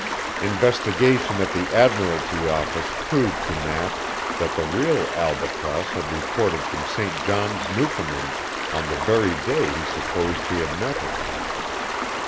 Investigation at the admiralty office proved to Nat that the real Albatross had reported from St. John's, Newfoundland, on the very day he supposed he had met her.